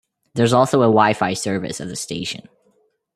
There is also a Wifi service at the station.